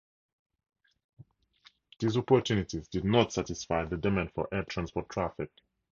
These opportunities did not satisfy the demand for air transport traffic.